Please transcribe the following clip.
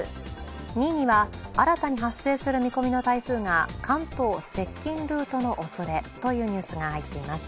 ２位には、新たに発生する見込みの台風が関東接近ルートのおそれというニュースが入っています。